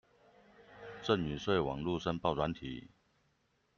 贈與稅網路申報軟體